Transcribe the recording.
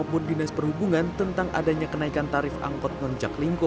maupun dinas perhubungan tentang adanya kenaikan tarif angkot nonjaklingko